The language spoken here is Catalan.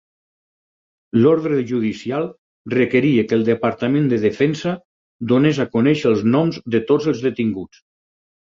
L'ordre judicial requeria que el Departament de Defensa donés a conèixer els noms de tots els detinguts.